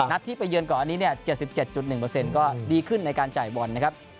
นัดที่ไปเยือนก่อนอันนี้๗๗๑ก็ดีขึ้นในการจ่ายบอลนะครับ